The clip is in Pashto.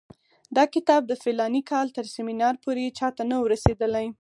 دا کتاب د فلاني کال تر سیمینار پورې چا ته نه وو رسېدلی.